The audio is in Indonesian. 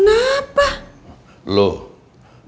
siapa sih anu